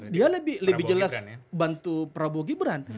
dia lebih jelas bantu prabowo gibran